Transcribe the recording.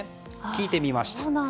聞いてみました。